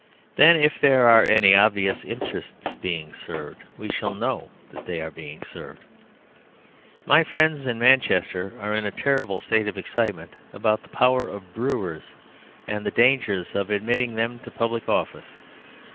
Then, if there are any obvious interests being served, we shall know that they are being served. My friends in Manchester are in a terrible state of excitement about the power of brewers and the dangers of admitting them to public office.